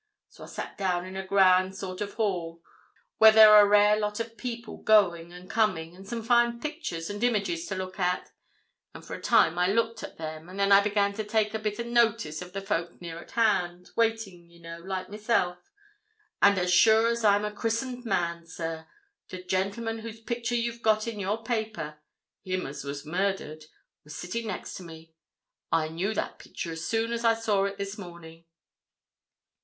So I sat down in a grand sort of hall where there were a rare lot of people going and coming, and some fine pictures and images to look at, and for a time I looked at them, and then I began to take a bit of notice of the folk near at hand, waiting, you know, like myself. And as sure as I'm a christened man, sir, the gentleman whose picture you've got in your paper—him as was murdered—was sitting next to me! I knew that picture as soon as I saw it this morning."